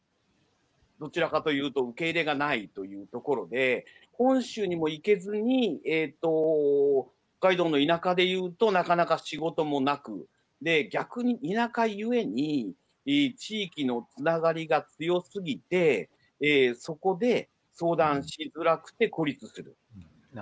どちらかというと受け入れがないというところで本州にも行けずに北海道の田舎でいうとなかなか仕事もなくで逆に田舎ゆえに地域のつながりが強すぎてそこで相談しづらくて孤立する。